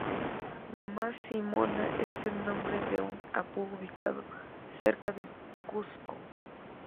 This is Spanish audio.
Mama Simona es el nombre de un apu ubicado cerca del Cuzco.